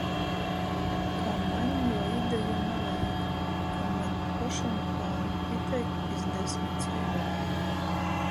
Ka maņ juo ideju navajag, ka maņ pošam planu pīteik iz desmit dzeivem.